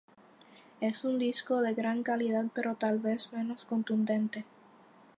Es un disco de gran calidad pero tal vez menos contundente.